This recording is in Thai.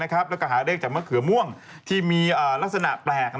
แล้วก็หาเลขจากมะเขือม่วงที่มีลักษณะแปลก